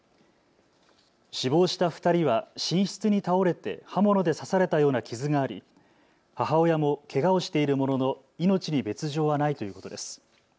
死亡した２人は寝室に倒れて刃物で刺されたような傷があり母親もけがをしているものの命に別状はないということです。